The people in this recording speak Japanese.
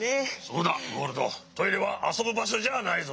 そうだゴールドトイレはあそぶばしょじゃないぞ。